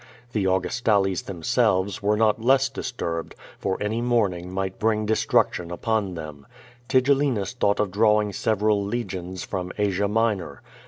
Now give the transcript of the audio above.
The Augustales, themselves, were not less disturbed, for any morning might bring de struction upon them. Tigellinus thought of drawing several legions from Asia Minor.